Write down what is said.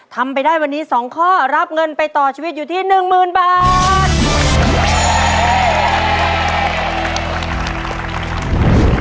ทำไปได้วันนี้๒ข้อรับเงินไปต่อชีวิตอยู่ที่๑๐๐๐บาท